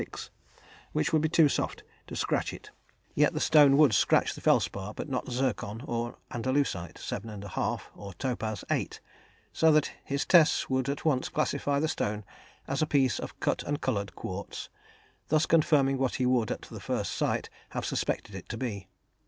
6, which would be too soft to scratch it, yet the stone would scratch the felspar, but not zircon or andalusite, 7 1/2, or topaz, 8, so that his tests would at once classify the stone as a piece of cut and coloured quartz, thus confirming what he would, at the first sight, have suspected it to be.